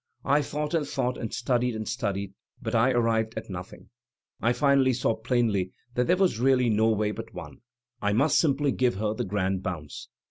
I thought and thought and studied and studied; but I arrived at nothing. I finally saw plainly that there was really no way but one — I must simply give her the grand bounce.